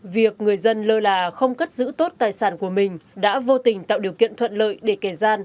việc người dân lơ là không cất giữ tốt tài sản của mình đã vô tình tạo điều kiện thuận lợi để kẻ gian